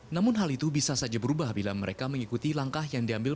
namun hal itu bisa saja berubah bila mereka mengikuti langkah yang diambil